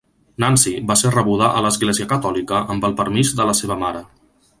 Nancy va ser rebuda a l'Església Catòlica amb el permís de la seva mare.